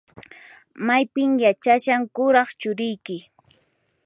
Maypin yachashan kuraq churiyki?